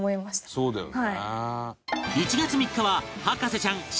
そうだよね。